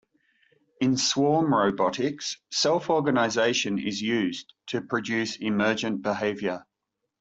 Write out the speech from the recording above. In swarm robotics, self-organization is used to produce emergent behavior.